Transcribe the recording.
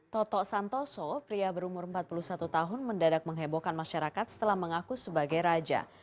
toto santoso pria berumur empat puluh satu tahun mendadak menghebohkan masyarakat setelah mengaku sebagai raja